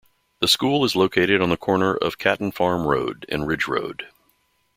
The school is located on the corner of Caton Farm Road and Ridge Road.